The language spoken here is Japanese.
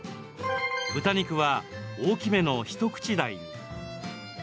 豚肉は大きめの一口大に。